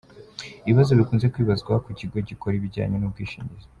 Ibibazo bikunze kwibazwa ku kigo gikora ibijyanye n’ubwishingizi